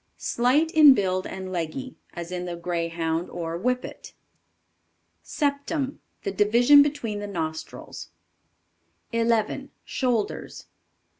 Slight in build and leggy, as in the Greyhound or Whippet. Septum. The division between the nostrils. 11. SHOULDERS.